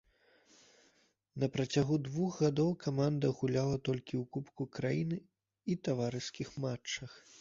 На працягу двух гадоў каманда гуляла толькі ў кубку краіны і таварыскіх матчах.